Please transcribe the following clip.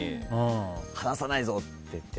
離さないぞ！ってなって。